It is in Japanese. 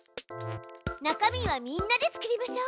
中身はみんなで作りましょう！